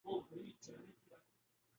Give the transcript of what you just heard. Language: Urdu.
مشرقی افریقہ